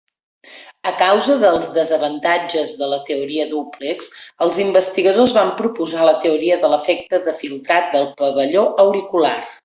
A causa dels desavantatges de la teoria Dúplex, els investigadors van proposar la teoria de l'efecte de filtrat del pavelló auricular.